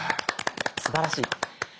すばらしい。